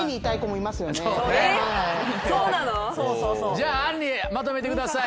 じゃああんりまとめてください